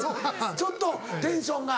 ちょっとテンションが。